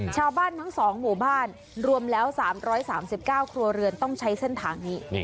ชาวบ้านทั้ง๒หมู่บ้านรวมแล้ว๓๓๙ครัวเรือนต้องใช้เส้นทางนี้